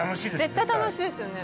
絶対楽しいですよね。